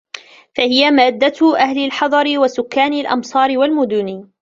فَهِيَ مَادَّةُ أَهْلِ الْحَضَرِ وَسُكَّانِ الْأَمْصَارِ وَالْمُدُنِ